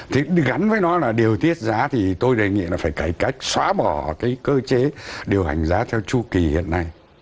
thì gắn với nó là điều tiết giá thì tôi đề nghị là phải cải cách xóa bỏ cái cơ chế điều hành giá theo chu kỳ hiện nay